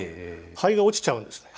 灰が落ちちゃうんですね。